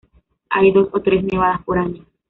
Hay dos o tres nevadas por año.